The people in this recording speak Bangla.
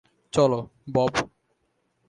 চলো, বব।